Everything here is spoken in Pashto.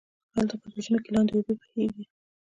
هلته به ده ځمکی لاندی اوبه بهيږي